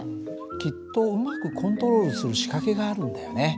きっとうまくコントロールする仕掛けがあるんだよね。